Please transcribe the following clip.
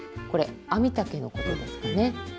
これアミタケのことですかね。